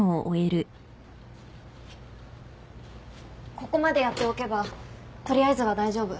ここまでやっておけば取りあえずは大丈夫。